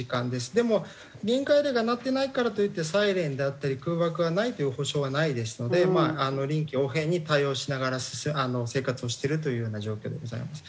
でも戒厳令がなってないからといってサイレンであったり空爆がないという保証はないですのでまあ臨機応変に対応しながら生活をしてるというような状況でございます。